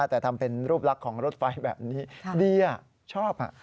แต่ทำเป็นรูปลักษณ์ของรถไฟแบบนี้ดีชอบ